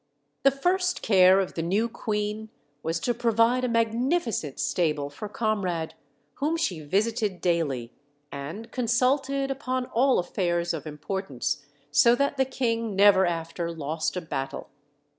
The first care of the new queen was to provide a magnificent stable for Comrade, whom she visited daily, and consulted upon all affairs of im portance, so that the king never after lost a battle.